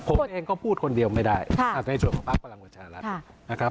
ผมเองก็พูดคนเดียวไม่ได้ในส่วนของภาคพลังประชารัฐนะครับ